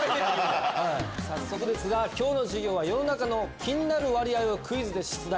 早速ですが今日の授業は世の中の気になる割合をクイズで出題。